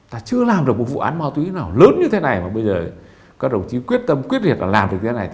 ta chưa làm được một vụ án ma túy nào lớn như thế này mà bây giờ các đồng chí quyết tâm quyết liệt là làm được cái này